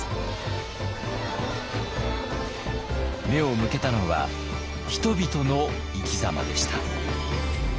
目を向けたのは人々の生き様でした。